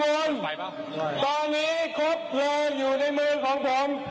ตอนนี้ครบเพลินอยู่ในมือของผม